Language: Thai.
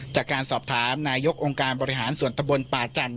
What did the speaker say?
จากการสอบถามนายกองค์การบริหารส่วนตะบนป่าจันท